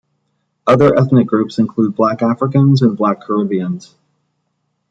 Other ethnic groups include Black Africans and Black Caribbeans.